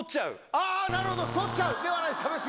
あー、なるほど、太っちゃうではないんですよ。